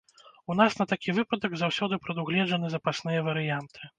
У нас на такі выпадак заўсёды прадугледжаны запасныя варыянты.